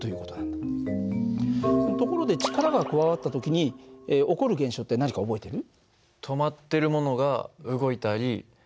ところで力が加わった時に起こる現象って何か覚えてる？